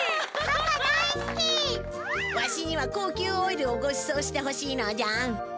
わしには高級オイルをごちそうしてほしいのじゃ。